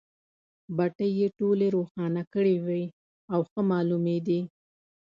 بټۍ یې ټولې روښانه کړې وې او ښه مالومېدې.